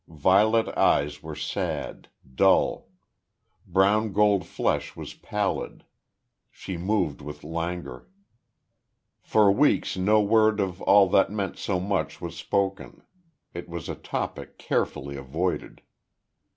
Violet eyes were sad dull. Brown gold flesh was pallid. She moved with languor. For weeks no word of all that meant so much was spoken; it was a topic carefully avoided.